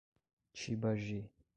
Tibagi